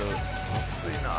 「熱いなあ」